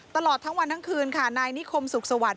ตลอดทั้งวันทั้งคืนค่ะนายนิคมสุขสวัสดิ